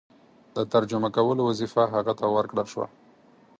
د ترجمه کولو وظیفه هغه ته ورکړه شوه.